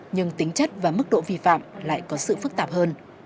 nhưng tính chất và mức độ vi phạm lại có sự phức tạp hơn